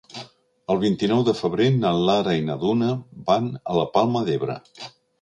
El vint-i-nou de febrer na Lara i na Duna van a la Palma d'Ebre.